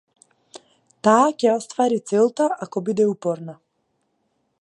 Таа ќе ја оствари целта ако биде упорна.